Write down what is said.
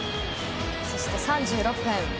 そして３６分。